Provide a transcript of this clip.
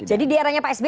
jadi di eranya psb